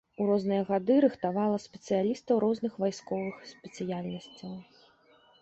У розныя гады рыхтавала спецыялістаў розных вайсковых спецыяльнасцяў.